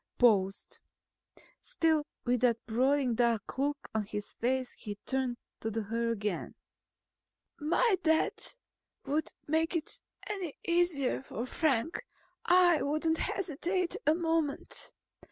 Paused. Still with that brooding dark look on his face he turned to her again. "If my death would make it any easier for Frank, I wouldn't hesitate a moment.